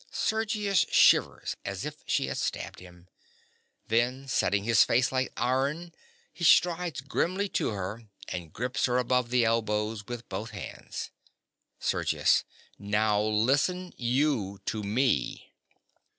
(_Sergius shivers as if she had stabbed him. Then, setting his face like iron, he strides grimly to her, and grips her above the elbows with both bands._) SERGIUS. Now listen you to me!